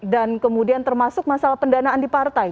dan kemudian termasuk masalah pendanaan di partai